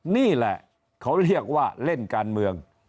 นี่แหละเขาเรียกว่าเล่นการเมือง